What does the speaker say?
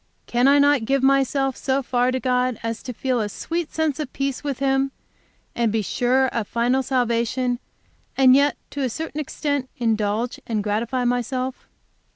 Can I not give myself so far to God as to feel a sweet sense of peace with Him, and be sure of final salvation, and yet, to a certain extent, indulge and gratify myself?